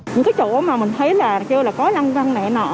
những chỗ mà mình thấy là chưa có lan quăng này nọ